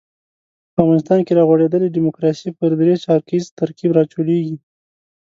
په افغانستان کې را غوړېدلې ډیموکراسي پر درې چارکیز ترکیب راچورلېږي.